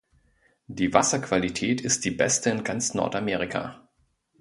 Die Wasserqualität ist die beste in ganz Nordamerika.